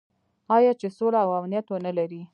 آیا چې سوله او امنیت ونلري؟